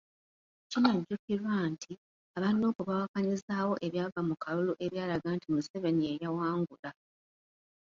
Kinajjukirwa nti, aba Nuupu baawakanyizaawo ebyava mu kalulu ebyalaga nti Museveni ye yawangula.